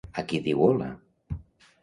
A qui diu hola?